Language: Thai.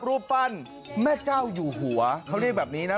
รูปปั้นแม่เจ้าอยู่หัวเขาเรียกแบบนี้นะ